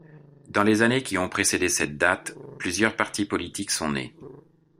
Dans les années qui ont précédé cette date, plusieurs partis politiques sont nés.